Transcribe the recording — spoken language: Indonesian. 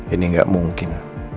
ini gak mungkin